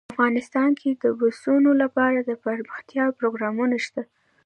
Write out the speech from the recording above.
افغانستان کې د پسونو لپاره دپرمختیا پروګرامونه شته.